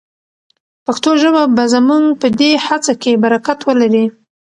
پښتو ژبه به زموږ په دې هڅه کې برکت ولري.